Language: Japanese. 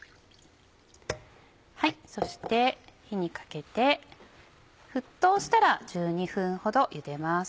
そして火にかけて沸騰したら１２分ほどゆでます。